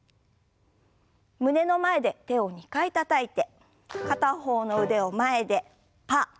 胸の前で手を２回たたいて片方の腕を前でパー。